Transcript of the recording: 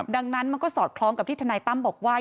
ดังนั้นมันก็สอดคล้องกับที่ทนายตั้มบอกว่า